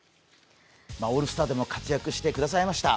オールスターでも活躍してくださいました。